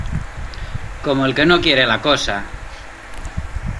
como el que no quiere la cosa.